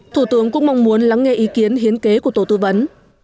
thủ tướng cũng mong muốn lắng nghe ý kiến hiến kế của tổ tư vấn